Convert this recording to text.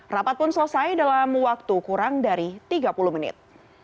rapat pun selesai dalam waktu kurang dari tiga puluh menit